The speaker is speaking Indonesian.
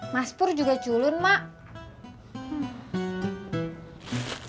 mas pur juga culun mak